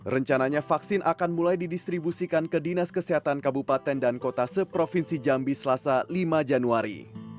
rencananya vaksin akan mulai didistribusikan ke dinas kesehatan kabupaten dan kota seprovinsi jambi selasa lima januari